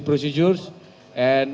apakah sudah direkomendasi